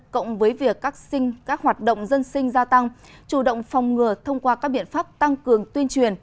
cộng với việc các hoạt động dân sinh gia tăng chủ động phòng ngừa thông qua các biện pháp tăng cường tuyên truyền